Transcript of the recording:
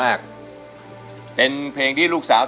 แต่เงินมีไหม